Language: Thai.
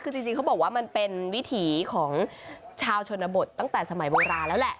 คือจริงเขาบอกว่ามันเป็นวิถีของชาวชนบทตั้งแต่สมัยโบราณแล้วแหละ